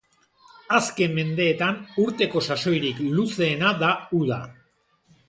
Azken mendeetan urteko sasoirik luzeena da uda.